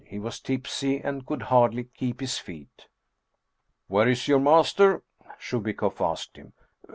He was tipsy and could hardly keep his feet. " Where is your master ?" Chubikoff asked him.